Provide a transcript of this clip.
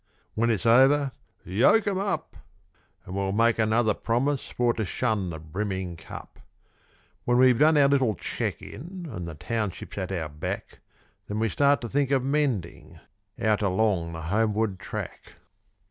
When it's over "Yoke 'em up," And we'll make another promise for to shun the brimming cup. When we've done our little cheque in, and the township's at our back; Then we start to think of mending out along the Homeward Track.